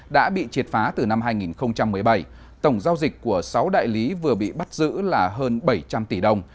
đã bị triệt phá từ năm hai nghìn một mươi bảy tổng giao dịch của sáu đại lý vừa bị bắt giữ là hơn bảy trăm linh tỷ đồng